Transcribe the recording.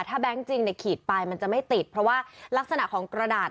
ถ้าแบงค์จริงเนี่ยขีดไปมันจะไม่ติดเพราะว่ารักษณะของกระดาษ